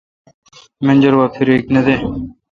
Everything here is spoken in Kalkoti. منجر وا فیرک نہ دے۔